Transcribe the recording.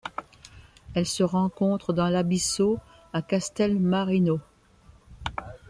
Elle se rencontre dans l'Abisso à Castelmarino.